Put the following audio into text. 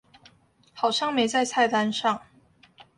好像沒在菜單上